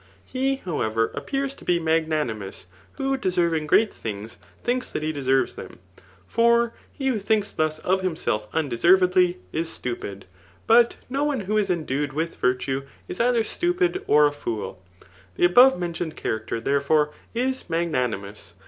He, however, appears to be magnanU mous who deservmg great things thinks that he deserves them ; for he who thinks thus of himself undeservedly, is stupid. But no one who is endued with virtue, is either stupid or a fool. The above mentioned character, therefore, is magnanimous.